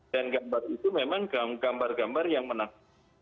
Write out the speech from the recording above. dan gambar itu memang gambar gambar yang menakutkan